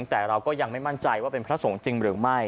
แต่เราก็ยังไม่มั่นใจว่าเป็นพระสงฆ์จริงหรือไม่